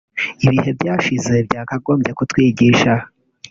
ibihe byashize byakagombye kutwigisha